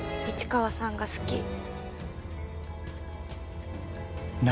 市川さんが好き。